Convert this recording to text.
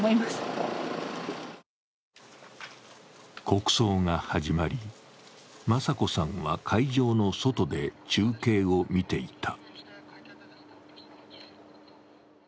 国葬が始まり、雅子さんは会場の外で中継を見ていた。